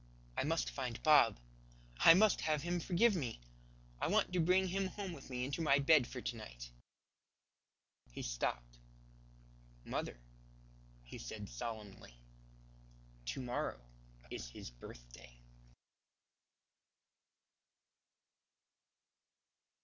I must find Bob; I must have him forgive me. I want to bring him home with me into my bed for to night." He stopped. "Mother," he said solemnly, "to morrow is His birthday."